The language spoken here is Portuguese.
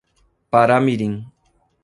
Paramirim